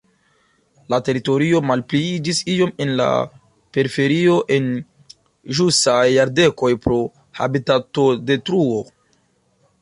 La teritorio malpliiĝis iom en la periferio en ĵusaj jardekoj pro habitatodetruo.